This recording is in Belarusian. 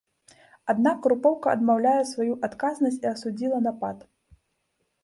Аднак, групоўка адмаўляе сваю адказнасць і асудзіла напад.